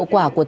của dự án